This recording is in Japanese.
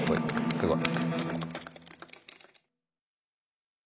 すごい。